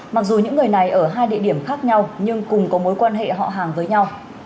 mặc dù những người này ở hai địa điểm khác nhau nhưng cùng có mối quan hệ họ hàng với nhau